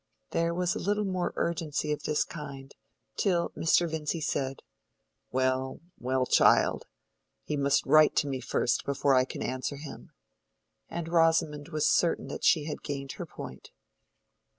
There was a little more urgency of this kind, till Mr. Vincy said, "Well, well, child, he must write to me first before I can answer him,"—and Rosamond was certain that she had gained her point.